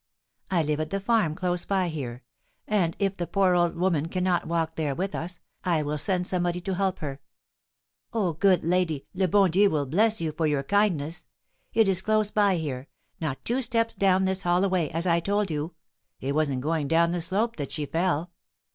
I live at the farm close by here; and, if the poor old woman cannot walk there with us, I will send somebody to help her!" "Oh, good lady, le bon Dieu will bless you for your kindness! It is close by here not two steps down this hollow way, as I told you. It was in going down the slope that she fell."